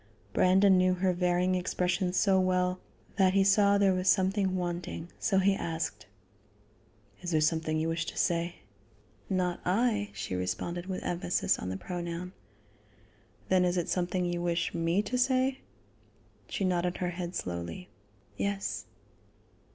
Brandon knew her varying expressions so well that he saw there was something wanting, so he asked: "Is there something you wish to say?" "Not I," she responded with emphasis on the pronoun. "Then is it something you wish me to say?" She nodded her head slowly: "Yes."